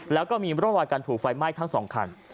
แล้วก็มีรถวายกันถูกไฟไหม้ทั้ง๒คัน